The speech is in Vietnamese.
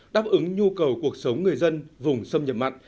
đáp ứng nhu cầu cuộc sống người dân vùng xâm nhập mặn